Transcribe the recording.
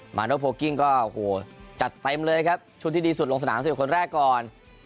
หมาก็จัดเต็มเลยครับชุดที่ดีสุดลงสนานสี่คนแรกก่อน